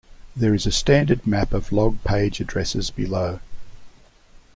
There is a standard map of log page addresses below.